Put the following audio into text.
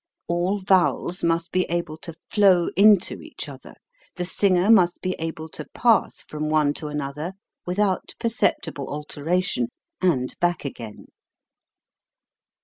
All vowels must be able to flow into each other; the singer must be able to pass from one to another without perceptible alteration, and back again.